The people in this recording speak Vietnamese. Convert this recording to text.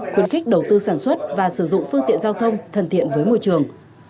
khuyến khích đầu tư sản xuất và sử dụng phương tiện giao thông thân thiện với môi trường